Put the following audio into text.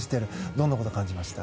どんなことを感じました？